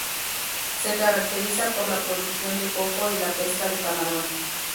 Se caracteriza por la producción de coco y la pesca de camarón.